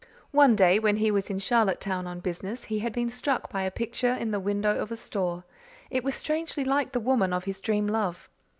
One day, when he was in Charlottetown on business, he had been struck by a picture in the window of a store. It was strangely like the woman of his dream love.